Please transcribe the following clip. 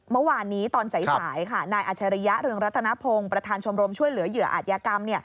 เมื่อวานนี้ตอนสายค่ะนายอัชริยะเรืองรัตนพงศ์ประธานชมรมช่วยเหลือเหยื่ออาจยากรรม